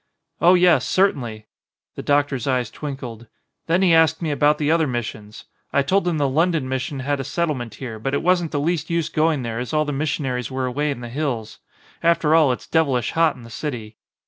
"Oh, yes, certainly." The doctor's eyes twin kled. "Then he asked me about the other mis sions; I told him the London Mission had a set tlement here, but it wasn't the least use going there as all the missionaries were away in the hills. After all it's devilish hot in the city.